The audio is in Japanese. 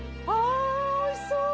あおいしそう！